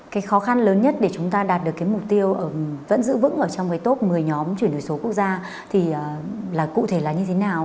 cái khó khăn lớn nhất để chúng ta đạt được cái mục tiêu vẫn giữ vững ở trong cái top một mươi nhóm chuyển đổi số quốc gia thì là cụ thể là như thế nào